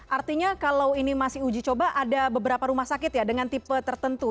artinya kalau ini masih uji coba ada beberapa rumah sakit ya dengan tipe tertentu